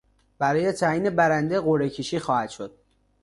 برای تعیین برنده قرعهکشی خواهد شد.